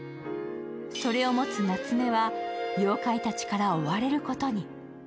それを持つ夏目は、妖怪たちから追われることに。